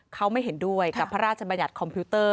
เขาไม่เห็นด้วยกับพระราชบัญญัติคอมพิวเตอร์